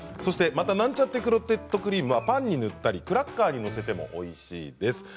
また、なんちゃってクロテッドクリームはパンに塗ったりクラッカーに載せてもおいしいです。